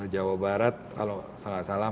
jawa barat kalau salah salah